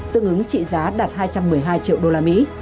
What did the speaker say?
tương ứng trị giá đạt hai trăm một mươi hai triệu đô la mỹ